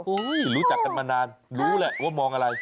คือรู้จักกันมานานรู้แหละว่ามองอะไร